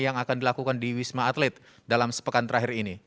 yang akan dilakukan di wisma atlet dalam sepekan terakhir ini